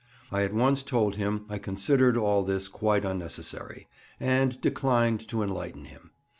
I at once told him I considered all this quite unnecessary, and declined to enlighten him.